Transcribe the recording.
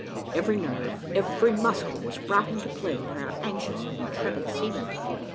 Every nerve, every muscle was brought into play by our anxious and intrepid seamen.